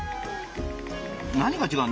何が違う？